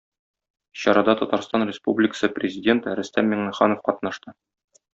Чарада Татарстан Республикасы Президенты Рөстәм Миңнеханов катнашты.